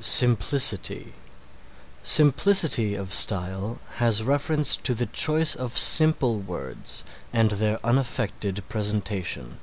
SIMPLICITY Simplicity of style has reference to the choice of simple words and their unaffected presentation.